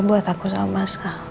buat aku sama mas al